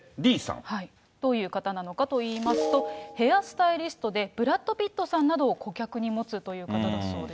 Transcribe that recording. どういう方なのかといいますと、ヘアスタイリストで、ブラッド・ピットさんなどを顧客に持つという方なんだそうです。